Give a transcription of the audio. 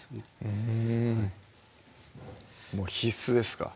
うんもう必須ですか？